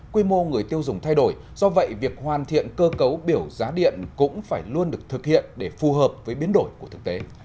quy mô người tiêu dùng thay đổi do vậy việc hoàn thiện cơ cấu biểu giá điện cũng phải luôn được thực hiện để phù hợp với biến đổi của thực tế